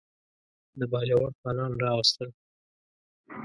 د باجوړ خانان راوستل.